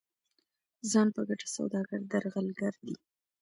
ځان په ګټه سوداګر درغلګر دي.